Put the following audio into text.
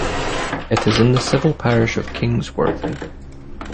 It is in the civil parish of Kings Worthy.